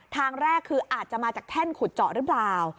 ทางแรกคืออาจจะมาจากแท่นขุดเจาะหรือเปล่า